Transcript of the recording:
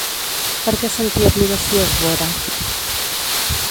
Per què sentia admiració Dvořák?